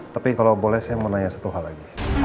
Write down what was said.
tapi kalau boleh saya mau nanya satu hal lagi